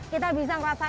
kita bisa merasakan